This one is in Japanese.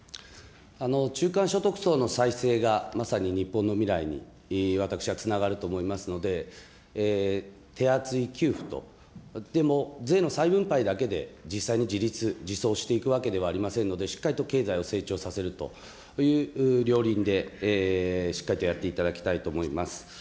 中間所得層の再生がまさに日本の未来に私はつながると思いますので、手厚い給付と、でも税の再分配だけで実際に自立、自走していくわけではありませんので、しっかりと経済を成長させるという両輪で、しっかりとやっていただきたいと思います。